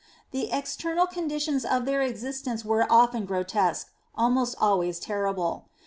The external conditions of their existence were often grotesque, almost always terrible.